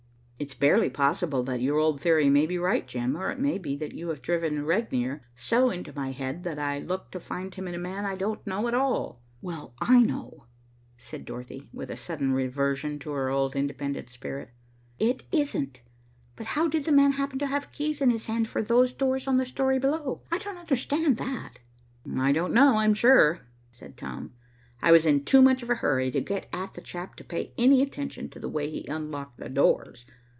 It's barely possible that your old theory may be right, Jim, or it may be that you have driven Regnier so into my head that I looked to find him in a man I don't know at all." "Well, I know," said Dorothy, with a sudden reversion to her old independent spirit. "It isn't. But how did the man happen to have keys in his hand for those doors on the story below. I don't understand that." "I don't know, I'm sure," said Tom. "I was in too much of a hurry to get at the chap to pay any attention to the way he unlocked the doors.